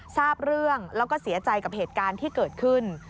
ทราบเรื่องแล้วก็เสียใจกับเหตุการณ์ที่เกิดขึ้น